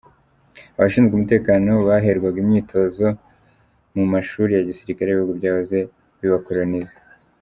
Abashinzwe umutekano baherwaga imyitozo mu mu mashuri ya gisirikare y’ibihugu byahoze bibakoloniza.